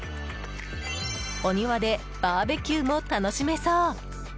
お庭でバーベキューも楽しめそう。